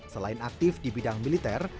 selain aktif di bidang militer